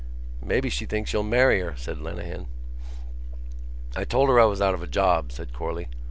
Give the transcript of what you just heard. "Maybe she thinks you'll marry her," said Lenehan. "I told her I was out of a job," said Corley.